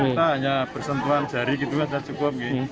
kita hanya bersentuhan jari gitu kan tidak cukup